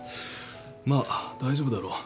まあ大丈夫だろう。